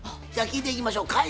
じゃあ聞いていきましょう。